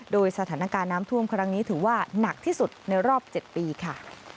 โดยสถานการณ์น้ำท่วมครั้งนี้ถือว่าหนักที่สุดในรอบ๗ปีค่ะ